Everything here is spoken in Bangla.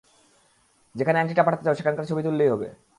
যেখানে আংটিটা পাঠাতে চাও, সেখানকার ছবি তুললেই হবে।